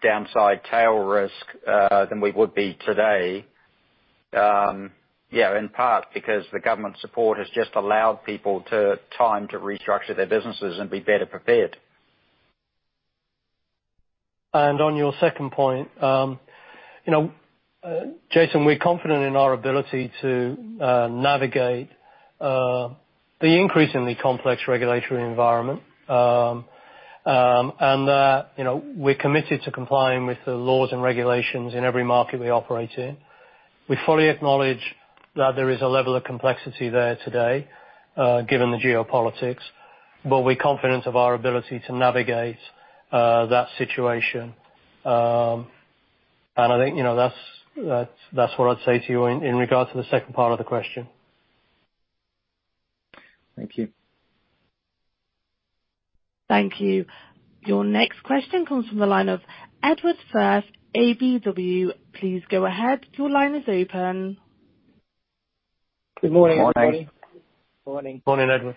downside tail risk than we would be today. In part because the government support has just allowed people time to restructure their businesses and be better prepared. On your second point, Jason, we're confident in our ability to navigate the increasingly complex regulatory environment. We're committed to complying with the laws and regulations in every market we operate in. We fully acknowledge that there is a level of complexity there today, given the geopolitics, but we're confident of our ability to navigate that situation. I think that's what I'd say to you in regards to the second part of the question. Thank you. Thank you. Your next question comes from the line of Edward Firth, KBW. Please go ahead. Good morning, everybody. Morning. Morning, Edward.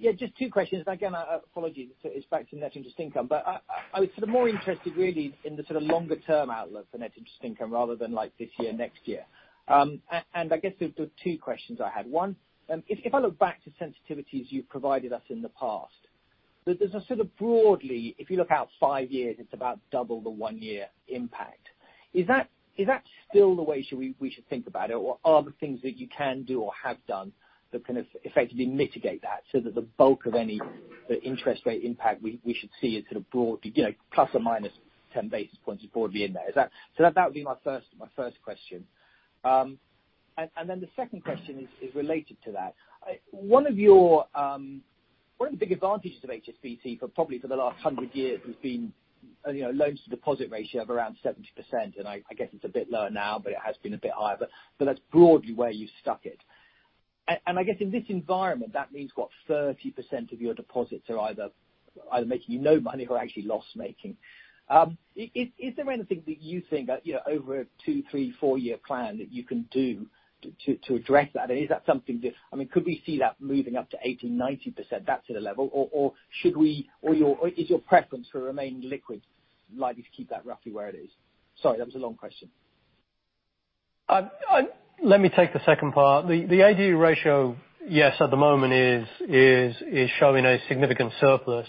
Yeah, just two questions. Again, apologies, it's back to net interest income, I was more interested really in the longer-term outlook for net interest income rather than this year, next year. I guess there's two questions I had. One, if I look back to sensitivities you've provided us in the past, that there's a sort of broadly, if you look out five years, it's about double the one-year impact. Is that still the way we should think about it? Are there things that you can do or have done that can effectively mitigate that so that the bulk of any interest rate impact we should see is +/-10 basis points, you're broadly in there? That would be my first question. The second question is related to that. One of the big advantages of HSBC probably for the last 100 years has been loans to deposit ratio of around 70%. I guess it's a bit lower now, but it has been a bit higher. That's broadly where you've stuck it. I guess in this environment, that means what? 30% of your deposits are either making you no money or actually loss-making. Is there anything that you think over a two, three, four-year plan that you can do to address that? Is that something that-- could we see that moving up to 80%, 90%, that sort of level? Is your preference to remain liquid, likely to keep that roughly where it is? Sorry, that was a long question. Let me take the second part. The AD ratio, yes, at the moment is showing a significant surplus.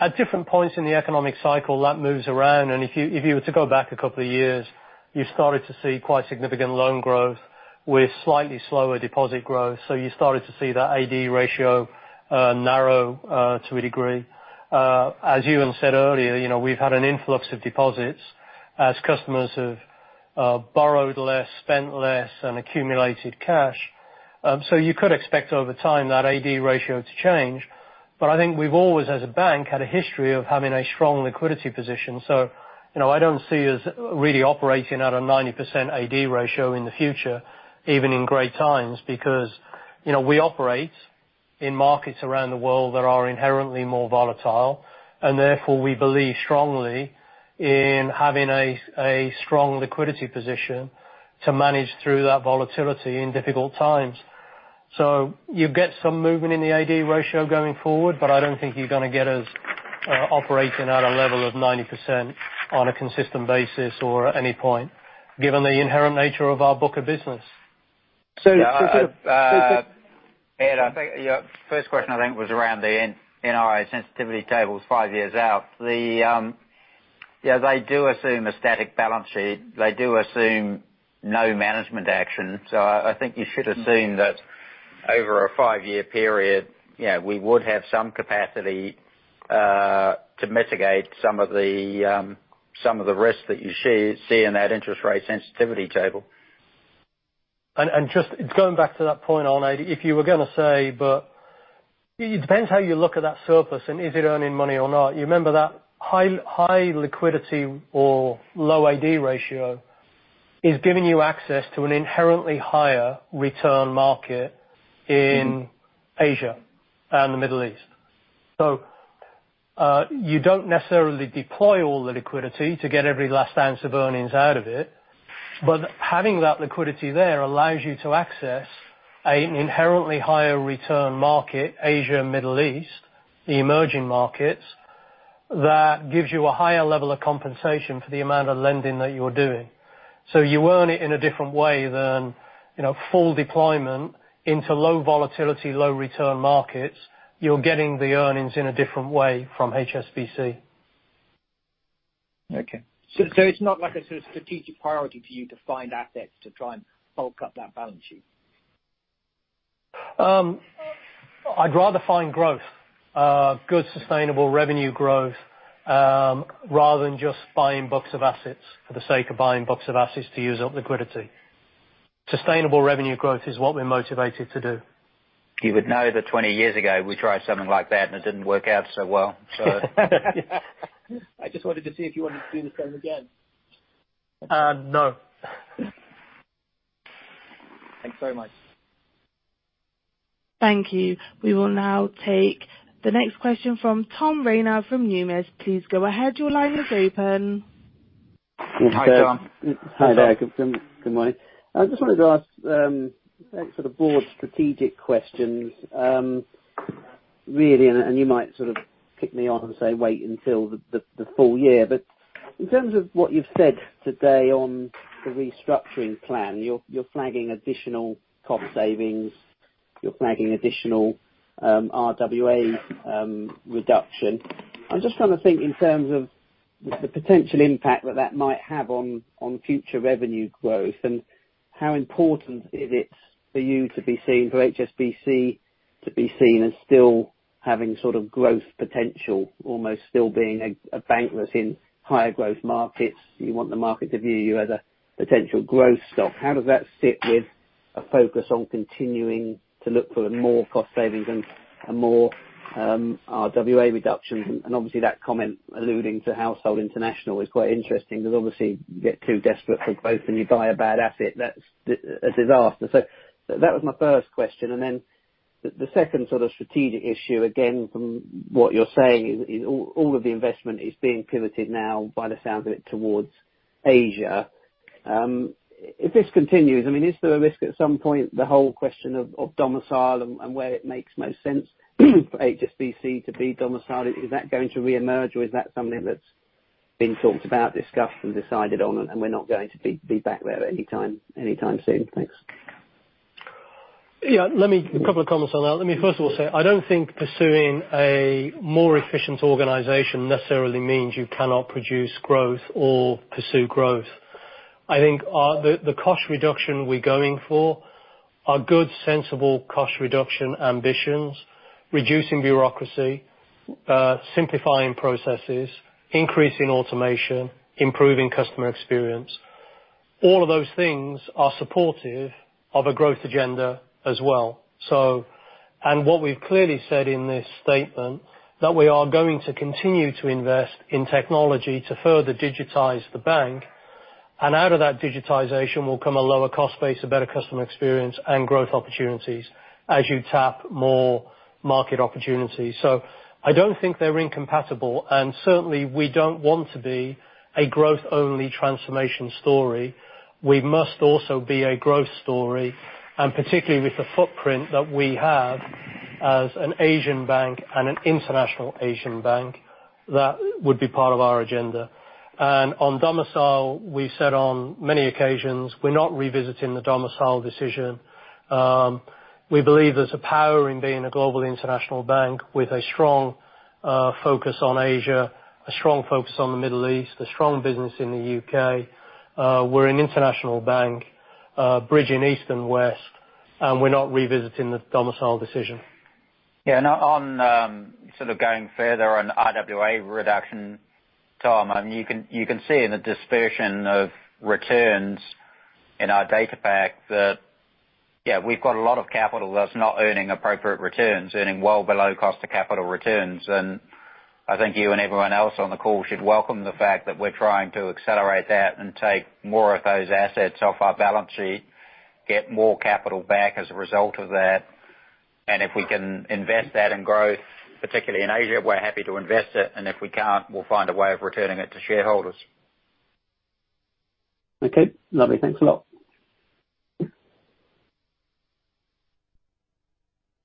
At different points in the economic cycle, that moves around, and if you were to go back a couple of years, you started to see quite significant loan growth with slightly slower deposit growth. You started to see that AD ratio narrow to a degree. As Ewen said earlier, we've had an influx of deposits as customers have borrowed less, spent less, and accumulated cash. You could expect over time that AD ratio to change. I think we've always, as a bank, had a history of having a strong liquidity position. I don't see us really operating at a 90% AD ratio in the future, even in great times, because we operate in markets around the world that are inherently more volatile, and therefore, we believe strongly in having a strong liquidity position to manage through that volatility in difficult times. You get some movement in the AD ratio going forward, but I don't think you're going to get us operating at a level of 90% on a consistent basis or at any point, given the inherent nature of our book of business. Ed, your first question, I think, was around the NII sensitivity tables five years out. They do assume a static balance sheet. They do assume no management action. I think you should assume that over a five-year period, we would have some capacity to mitigate some of the risk that you see in that interest rate sensitivity table. Just going back to that point on AD, if you were going to say, but it depends how you look at that surplus and is it earning money or not. You remember that high liquidity or low AD ratio is giving you access to an inherently higher return market in Asia and the Middle East. You don't necessarily deploy all the liquidity to get every last ounce of earnings out of it. Having that liquidity there allows you to access an inherently higher return market, Asia, Middle East, the emerging markets, that gives you a higher level of compensation for the amount of lending that you're doing. You earn it in a different way than full deployment into low volatility, low return markets. You're getting the earnings in a different way from HSBC. Okay. It's not a strategic priority to you to find assets to try and bulk up that balance sheet? I'd rather find growth, good sustainable revenue growth, rather than just buying blocks of assets for the sake of buying blocks of assets to use up liquidity. Sustainable revenue growth is what we're motivated to do. You would know that 20 years ago, we tried something like that, and it didn't work out so well, so I just wanted to see if you wanted to do the same again. No. Thanks very much. Thank you. We will now take the next question from Tom Rayner from Numis. Please go ahead. Your line is open. Hi, Noel. Hi, Tom. Hi there. Good morning. I just wanted to ask sort of broad strategic questions. Really, and you might sort of kick me off and say wait until the full year, but in terms of what you've said today on the restructuring plan, you're flagging additional cost savings. You're flagging additional RWA reduction. I'm just trying to think in terms of the potential impact that that might have on future revenue growth and how important it is for HSBC to be seen as still having growth potential, almost still being a bank that's in higher growth markets. You want the market to view you as a potential growth stock. How does that sit with a focus on continuing to look for more cost savings and more RWA reductions? Obviously that comment alluding to Household International is quite interesting, because obviously you get too desperate for growth and you buy a bad asset, that's a disaster. That was my first question. The second sort of strategic issue, again, from what you're saying, all of the investment is being pivoted now, by the sounds of it, towards Asia. If this continues, is there a risk at some point, the whole question of domicile and where it makes most sense for HSBC to be domiciled, is that going to reemerge or is that something that's been talked about, discussed, and decided on, and we're not going to be back there anytime soon? Thanks. Yeah. A couple of comments on that. Let me first of all say, I don't think pursuing a more efficient organization necessarily means you cannot produce growth or pursue growth. I think the cost reduction we're going for are good, sensible cost reduction ambitions. Reducing bureaucracy, simplifying processes, increasing automation, improving customer experience. All of those things are supportive of a growth agenda as well. What we've clearly said in this statement, that we are going to continue to invest in technology to further digitize the bank. Out of that digitization will come a lower cost base, a better customer experience, and growth opportunities as you tap more market opportunities. I don't think they're incompatible, and certainly we don't want to be a growth-only transformation story. We must also be a growth story, particularly with the footprint that we have as an Asian bank and an international Asian bank, that would be part of our agenda. On domicile, we've said on many occasions, we're not revisiting the domicile decision. We believe there's a power in being a global international bank with a strong focus on Asia, a strong focus on the Middle East, a strong business in the U.K. We're an international bank, bridging East and West, we're not revisiting the domicile decision. Yeah. Going further on RWA reduction, Tom, you can see in the dispersion of returns in our data pack that, yeah, we've got a lot of capital that's not earning appropriate returns, earning well below cost of capital returns. I think you and everyone else on the call should welcome the fact that we're trying to accelerate that and take more of those assets off our balance sheet, get more capital back as a result of that. If we can invest that in growth, particularly in Asia, we're happy to invest it, and if we can't, we'll find a way of returning it to shareholders. Okay. Lovely. Thanks a lot.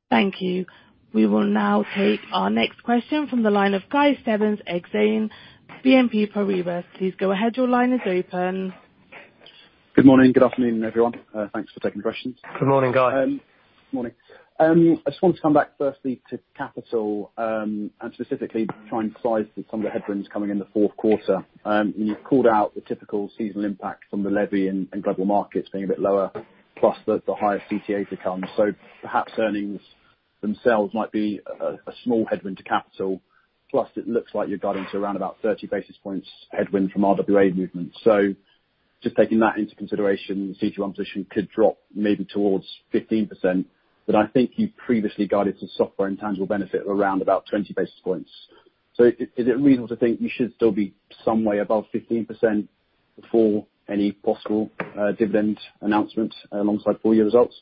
Thank you. We will now take our next question from the line of Guy Stebbings, Exane BNP Paribas. Good morning. Good afternoon, everyone. Thanks for taking questions. Good morning, Guy. Morning. I just wanted to come back firstly to capital, and specifically try and size some of the headwinds coming in the fourth quarter. You've called out the typical seasonal impact from the levy and Global Markets being a bit lower, plus the higher CTAs returns. Perhaps earnings themselves might be a small headwind to capital. It looks like you're guiding to around about 30 basis points headwind from RWA movements. Just taking that into consideration, CET1 position could drop maybe towards 15%, but I think you previously guided some software intangible benefit around about 20 basis points. Is it reasonable to think you should still be some way above 15% before any possible dividend announcement alongside full year results?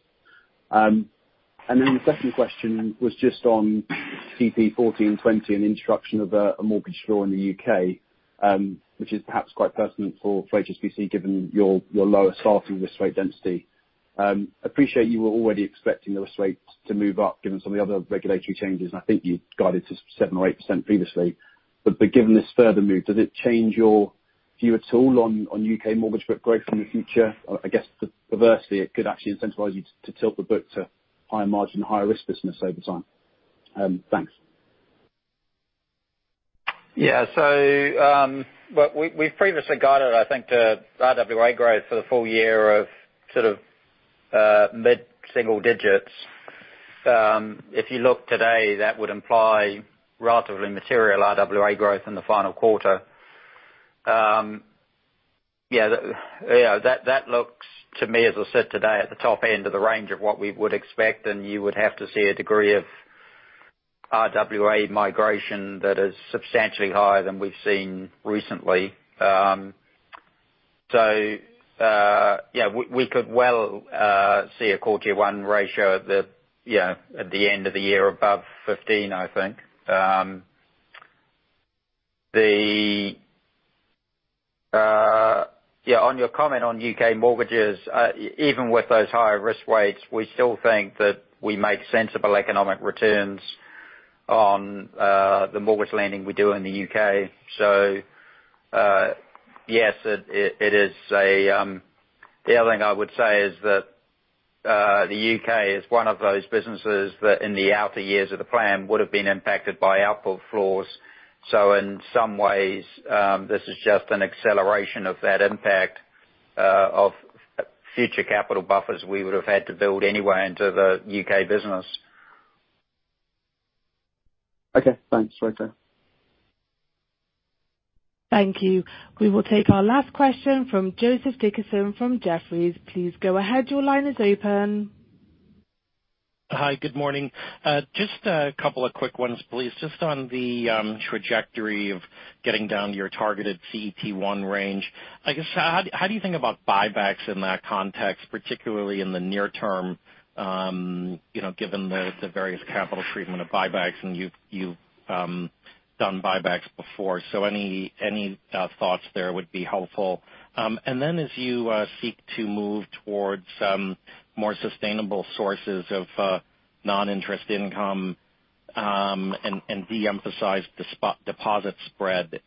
The second question was just on CP14/20 and introduction of a mortgage floor in the U.K., which is perhaps quite pertinent for HSBC, given your lower starting risk weight density. Appreciate you were already expecting the risk weights to move up given some of the other regulatory changes, and I think you guided to 7% or 8% previously. Given this further move, does it change your view at all on U.K. mortgage book growth in the future? I guess perversely, it could actually incentivize you to tilt the book to higher margin, higher risk business over time. Thanks. We've previously guided, I think, the RWA growth for the full year of mid-single digits. If you look today, that would imply relatively material RWA growth in the final quarter. That looks to me, as I said today, at the top end of the range of what we would expect, and you would have to see a degree of RWA migration that is substantially higher than we've seen recently. We could well see a quarter one ratio at the end of the year above 15, I think. On your comment on U.K. mortgages, even with those higher risk weights, we still think that we make sensible economic returns on the mortgage lending we do in the U.K. Yes. The other thing I would say is that the U.K. is one of those businesses that in the outer years of the plan, would've been impacted by output floors. In some ways, this is just an acceleration of that impact of future capital buffers we would've had to build anyway into the U.K. business. Okay, thanks. Later. Thank you. We will take our last question from Joseph Dickerson from Jefferies. Please go ahead. Your line is open. Hi. Good morning. Just a couple of quick ones, please. Just on the trajectory of getting down to your targeted CET1 range, I guess how do you think about buybacks in that context, particularly in the near term, given the various capital treatment of buybacks? You've done buybacks before, so any thoughts there would be helpful. Then as you seek to move towards more sustainable sources of non-interest income, and de-emphasize deposit spread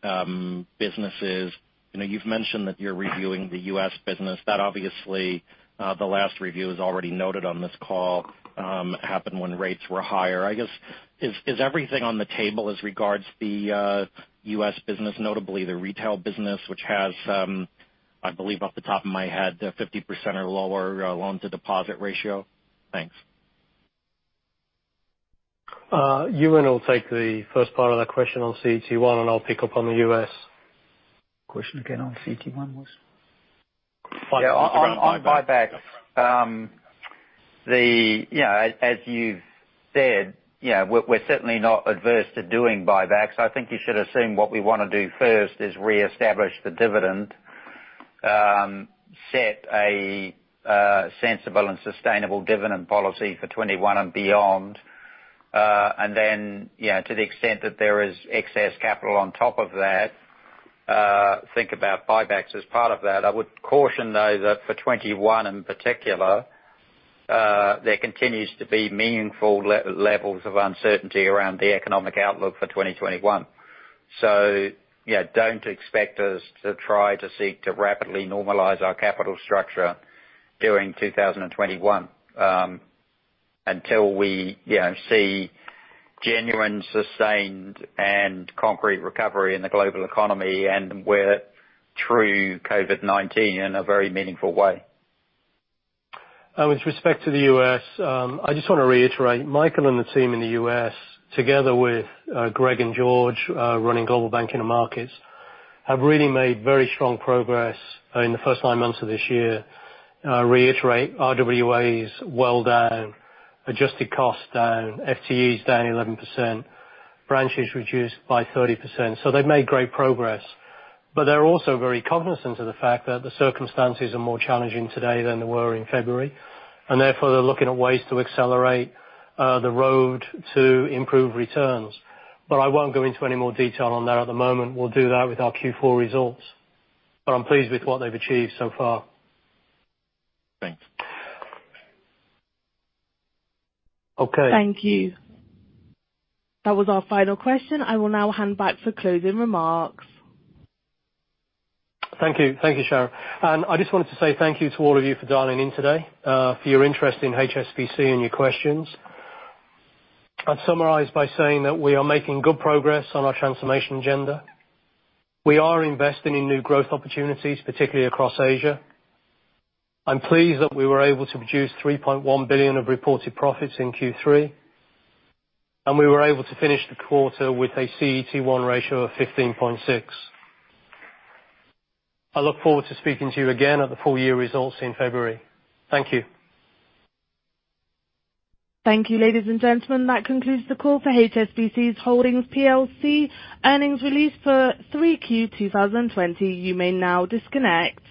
businesses. You've mentioned that you're reviewing the U.S. business. That obviously, the last review is already noted on this call, happened when rates were higher. I guess, is everything on the table as regards the U.S. business, notably the retail business, which has, I believe, off the top of my head, 50% or lower loan-to-deposit ratio? Thanks. Ewen will take the first part of that question on CET1, and I'll pick up on the U.S. Question again on CET1 was? Yeah. On buyback. As you've said, we're certainly not adverse to doing buybacks. I think you should assume what we want to do first is reestablish the dividend, set a sensible and sustainable dividend policy for 2021 and beyond. To the extent that there is excess capital on top of that, think about buybacks as part of that. I would caution, though, that for 2021 in particular, there continues to be meaningful levels of uncertainty around the economic outlook for 2021. Don't expect us to try to seek to rapidly normalize our capital structure during 2021, until we see genuine, sustained, and concrete recovery in the global economy and we're through COVID-19 in a very meaningful way. With respect to the U.S., I just want to reiterate, Michael and the team in the U.S., together with Greg and George, running Global Banking and Markets, have really made very strong progress in the first nine months of this year. I reiterate, RWA is well down, adjusted cost down, FTE is down 11%, branches reduced by 30%. They've made great progress. They're also very cognizant of the fact that the circumstances are more challenging today than they were in February, and therefore, they're looking at ways to accelerate the road to improve returns. I won't go into any more detail on that at the moment. We'll do that with our Q4 results. I'm pleased with what they've achieved so far. Thanks. Okay. Thank you. That was our final question. I will now hand back for closing remarks. Thank you. Thank you, Sharon. I just wanted to say thank you to all of you for dialing in today, for your interest in HSBC, and your questions. I'd summarize by saying that we are making good progress on our transformation agenda. We are investing in new growth opportunities, particularly across Asia. I'm pleased that we were able to produce 3.1 billion of reported profits in Q3, and we were able to finish the quarter with a CET1 ratio of 15.6. I look forward to speaking to you again at the full year results in February. Thank you. Thank you, ladies and gentlemen. That concludes the call for HSBC's Holdings PLC earnings release for 3Q 2020. You may now disconnect.